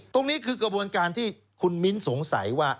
ตรงนี้คือกระบวนการที่คุณมิ้นสงสัยว่า